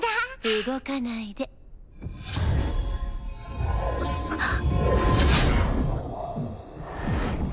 動かないでハッ！